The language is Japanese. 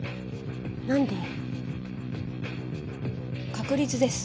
確率です。